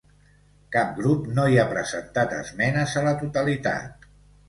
Cap grup no hi ha presentat esmenes a la totalitat.